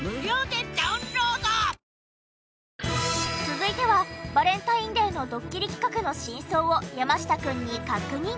続いてはバレンタインデーのドッキリ企画の真相を山下くんに確認。